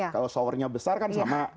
kalau showernya besar kan sama